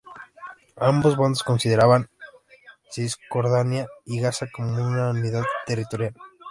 Ambos bandos consideraban Cisjordania y Gaza como una unidad territorial.